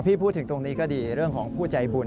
พูดถึงตรงนี้ก็ดีเรื่องของผู้ใจบุญ